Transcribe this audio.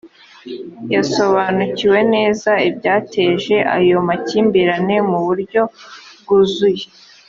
yasobanukiwe neza ibyateje ayo makimbirane mu buryo bwuzuye